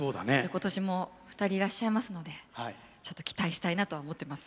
今年も２人いらっしゃいますのでちょっと期待したいなとは思ってます。